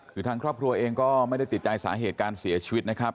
คือทางครอบครัวเองก็ไม่ได้ติดใจสาเหตุการเสียชีวิตนะครับ